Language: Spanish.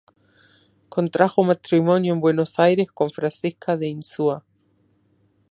Contrajo matrimonio en Buenos Aires con Francisca de Insua.